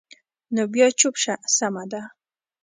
نو بیا چوپ شه، سمه ده.